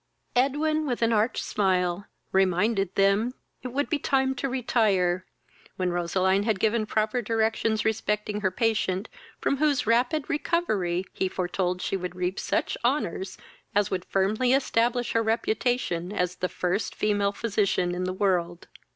Edwin, with an arch smile, reminded them it would be time to retire, when Roseline had given proper directions respecting her patient, from whose rapid recovery he foretold she would reap such honours as would firmly establish her reputation, as the first female physician in the world.